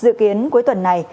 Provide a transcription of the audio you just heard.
dự kiến cuối tuần này